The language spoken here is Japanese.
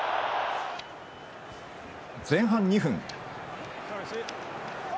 前半２分。